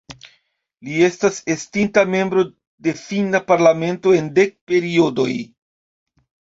Li estas estinta membro de finna parlamento en dek periodoj.